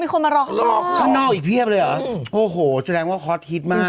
คนมารอข้างนอกอีกเพียบเลยเหรอโอ้โหแสดงว่าฮอตฮิตมาก